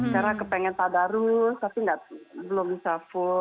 karena kepengen pada rus tapi belum bisa full